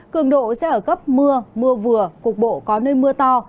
cường độ sẽ ở gấp mưa mưa vừa cuộc bộ có nơi mưa to